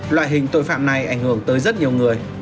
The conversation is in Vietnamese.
loại hình tội phạm này ảnh hưởng tới rất nhiều người